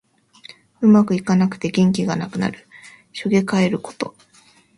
うまくいかなくて元気がなくなる。しょげかえること。